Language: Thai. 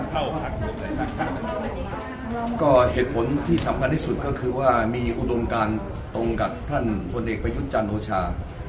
เพราะว่าเหตุผลที่สำคัญที่สุดก็คือว่ามีอุดมการตรงกับท่านบนเอกประยุทธจารส์โดชา